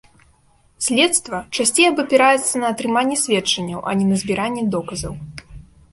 Следства часцей абапіраецца на атрыманне сведчанняў, а не на збіранне доказаў.